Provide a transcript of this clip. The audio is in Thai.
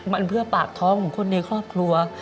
มันเพื่อปากท้องของคนในครอบครัว